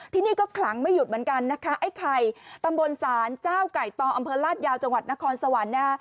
ที่นี่ก็ขลังไม่หยุดเหมือนกันนะคะไอ้ไข่ตำบลศาลเจ้าไก่ต่ออำเภอลาดยาวจังหวัดนครสวรรค์นะฮะ